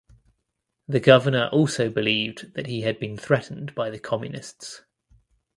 The Governor also believed that he had been threatened by the communists.